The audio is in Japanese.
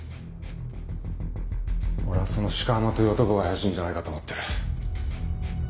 俺はその鹿浜という男が怪しいんじゃないかと思ってる。